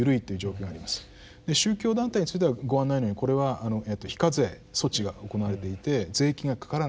宗教団体についてはご案内のようにこれは非課税措置が行われていて税金がかからない。